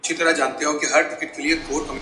تاته به څرنګه غزل په اوښکو ولمبوم ..